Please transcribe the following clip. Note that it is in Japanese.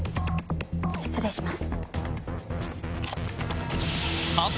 失礼します。